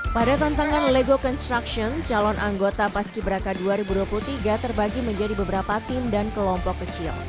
pada tantangan lego construction calon anggota paski beraka dua ribu dua puluh tiga terbagi menjadi beberapa tim dan kelompok kecil